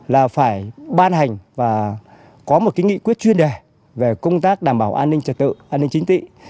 là phải ban hành và có một cái nghị quyết chuyên đề về công tác đảm bảo an ninh trật tự an ninh chính trị